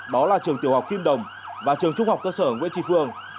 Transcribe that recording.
đó là trường tiểu học kim đồng và trường trung học cơ sở nguyễn tri phương